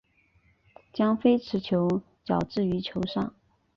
将非持球脚置于球上。